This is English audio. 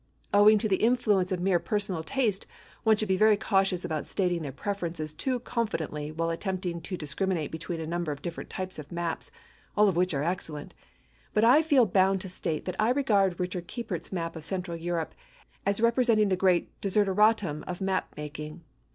Owing to the influence of mere personal taste one should be very cautious about stating their preferences too confidently while attempting to discriminate between a number of different types of maps, all of which are excellent, but I feel bound to state that I regard Richard Kiepert's map of Central Europe as representing the great desideratum of map making.